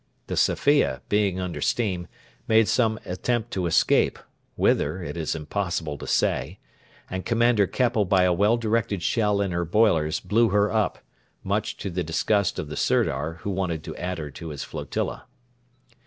The Safia, being under steam, made some attempt to escape whither, it is impossible to say and Commander Keppel by a well directed shell in her boilers blew her up, much to the disgust of the Sirdar, who wanted to add her to his flotilla.